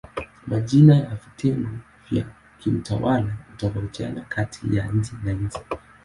Majina ya vitengo vya kiutawala hutofautiana kati ya nchi na nchi.